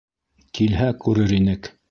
Килһә, күрер инек.